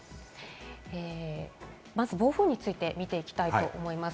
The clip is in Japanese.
まず暴風について見ていきたいと思います。